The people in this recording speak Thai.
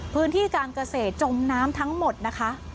พื้นที่การเกษตรจมน้ำทั้งหมดนะคะ